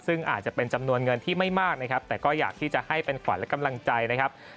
ซึ่งอาจจะเป็นจำนวนเงินที่ไม่มากนะครับแต่ก็อยากที่จะให้เป็นขวัญและกำลังใจนะครับ